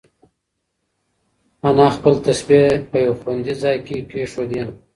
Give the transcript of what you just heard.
انا خپل تسبیح په یو خوندي ځای کې کېښوده.